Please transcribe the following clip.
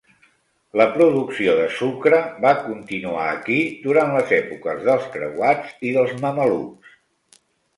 La producció de sucre va continuar aquí durant les èpoques dels creuats i dels mamelucs.